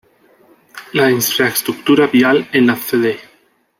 La infraestructura vial en la Cd.